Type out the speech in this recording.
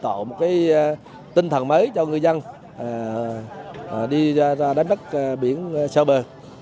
tổ một cái tinh thần mới cho ngư dân đi ra đánh bắt biển xe bờ